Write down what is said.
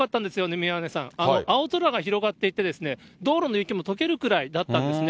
宮根さん、この青空が広がっていて、道路の雪もとけるくらいだったんですよね。